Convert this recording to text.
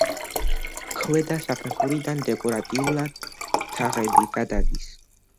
ქვედა საფეხურიდან დეკორატიული თაღები გადადის.